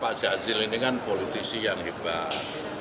pak jazil ini kan politisi yang hebat